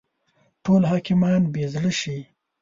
ټول حاکمان بې زړه شي.